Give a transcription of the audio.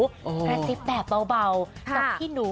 กระซิบแบบเบากับพี่หนู